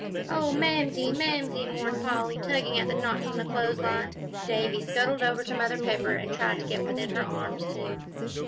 "Oh, Mamsie Mamsie!" mourned Polly, tugging at the knots in the clothes line. Davie scuttled over to Mother Pepper and tried to get within her arms, too.